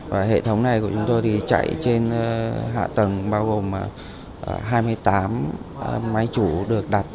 và hệ thống này của chúng tôi thì chạy trên hạ tầng bao gồm hai mươi tám máy chủ được đặt